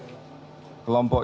dan juga di depan publik